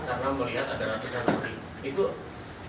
misalkan ada berapa plutonium